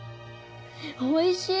おいしい！